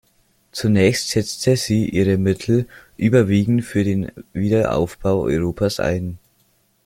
Zunächst setzte sie ihre Mittel überwiegend für den Wiederaufbau Europas ein.